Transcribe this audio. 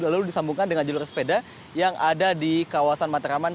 lalu disambungkan dengan jalur sepeda yang ada di kawasan matraman